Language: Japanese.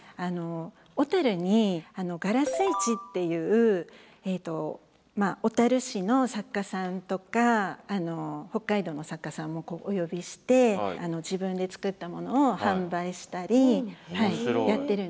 小にがらす市っていう小市の作家さんとか北海道の作家さんもお呼びして自分で作ったものを販売したりやってるんですけど。